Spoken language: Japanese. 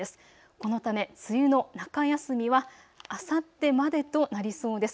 このため梅雨の中休みはあさってまでとなりそうです。